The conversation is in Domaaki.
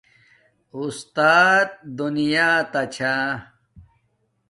اُستات دنیا تا چھا